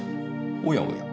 おやおや。